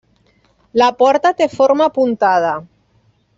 La porta té forma apuntada.